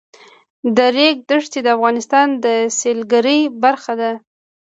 د ریګ دښتې د افغانستان د سیلګرۍ برخه ده.